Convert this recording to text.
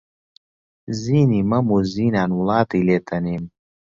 زیی مەم و زینان وڵاتی لێ تەنیم